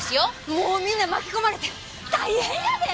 もうみんな巻き込まれて大変やで！